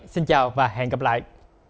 xin chào và hẹn gặp lại